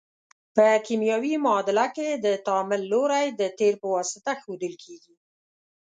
په کیمیاوي معادله کې د تعامل لوری د تیر په واسطه ښودل کیږي.